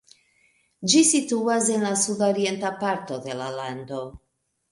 Ĝi situas en la sudorienta parto de la lando.